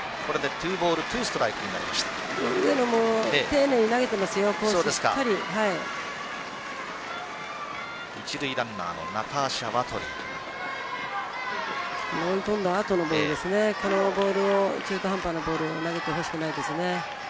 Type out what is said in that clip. このボール中途半端なボールを投げてほしくないですね。